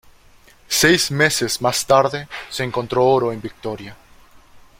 Seis meses más tarde, se encontró oro en Victoria.